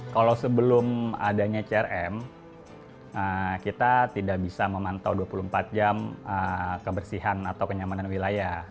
kalau sebelum adanya crm kita tidak bisa memantau dua puluh empat jam kebersihan atau kenyamanan wilayah